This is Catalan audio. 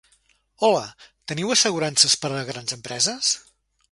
Hola, teniu assegurances per a grans empreses?